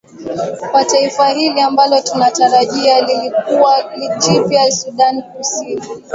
kwa taifa hili ambalo tunatarajia litakuwa jipya sudan kusini